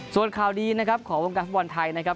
ส่วนข่าวดีนะครับของวงการฟุตบอลไทยนะครับ